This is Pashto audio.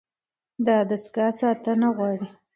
دا دستګاه ساتنه غواړي.